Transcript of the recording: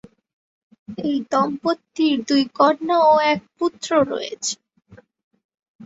এই দম্পতির দুই কন্যা ও এক পুত্র রয়েছে।